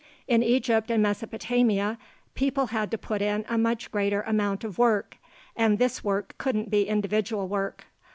In Egypt and Mesopotamia, people had to put in a much greater amount of work, and this work couldn't be individual work.